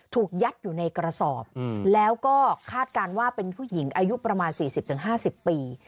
ถูกยัดอยู่ในกระสอบแล้วก็คาดการณ์ว่าเป็นผู้หญิงอายุประมาณ๔๐๕๐ปี